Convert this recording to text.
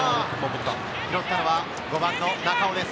拾ったのは５番の中尾です。